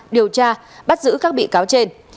điều tra bắt giữ các bị cáo trên